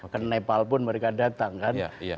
ke nepal pun mereka datang kan